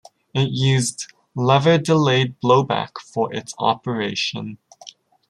It used lever-delayed blowback for its operation.